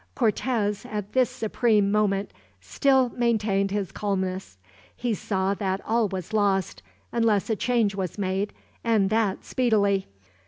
Cortez, at this supreme moment, still maintained his calmness. He saw that all was lost, unless a change was made, and that speedily.